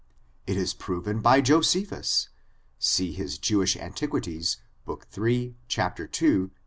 It is proven by Josephus. See his Jewish Antiquities, book iii, chap, ii, p.